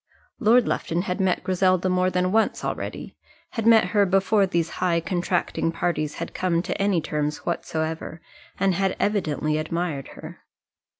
Lord Lufton had met Griselda more than once already; had met her before these high contracting parties had come to any terms whatsoever, and had evidently admired her.